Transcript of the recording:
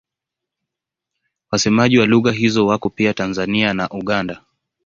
Wasemaji wa lugha hizo wako pia Tanzania na Uganda.